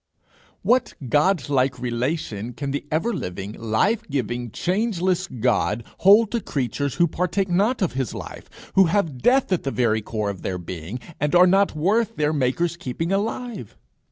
What Godlike relation can the ever living, life giving, changeless God hold to creatures who partake not of his life, who have death at the very core of their being, are not worth their Maker's keeping alive?